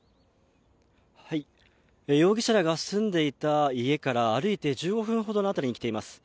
容疑者らが住んでいた家から歩いて１５分ほどの辺りに来ています。